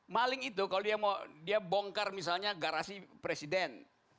maling itu kalau dia mau dia bongkar misalnya garasi presiden